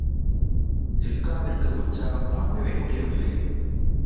ஜின்காவிற்கு உற்சாகம் தாங்கவே முடியவில்லை.